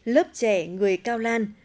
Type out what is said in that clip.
lớp trẻ người cao lan